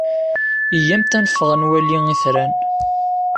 Iyyamt ad neffeɣ ad nwali itran.